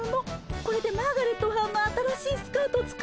これでマーガレットはんの新しいスカート作ってね。